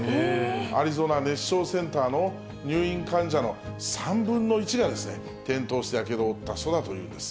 アリゾナ熱傷センターの入院患者の３分の１が、転倒してやけどを負った人だというんです。